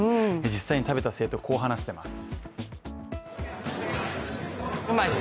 実際に食べた生徒、こう話しています。